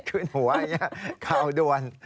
ขึ้นหัวอย่างนี้ข่าวด่วน